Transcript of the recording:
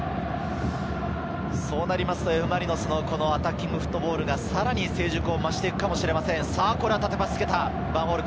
そうなるとＦ・マリノスのアタッキングフットボールがさらに成熟を増していくかもしれません。